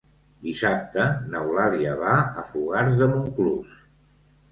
Dissabte n'Eulàlia va a Fogars de Montclús.